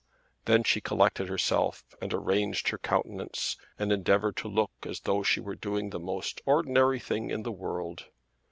Then she collected herself, and arranged her countenance, and endeavoured to look as though she were doing the most ordinary thing in the world.